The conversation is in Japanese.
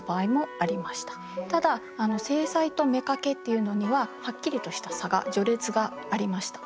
ただ正妻と妾っていうのにははっきりとした差が序列がありました。